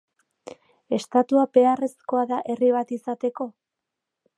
Estatua beharrezkoa da herri bat izateko?